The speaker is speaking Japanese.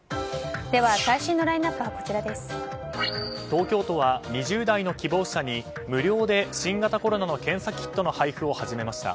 東京都は２０代の希望者に無料で新型コロナの検査キットの配布を始めました。